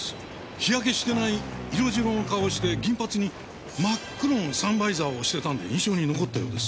日焼けしてない色白の顔をして銀髪に真っ黒のサンバイザーをしてたんで印象に残ったようです。